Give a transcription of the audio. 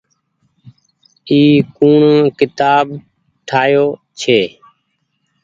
اي ڪوڻ ڪيتآب ٺآيو ڇي